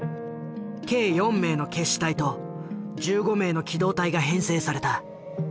計４名の決死隊と１５名の機動隊が編成された。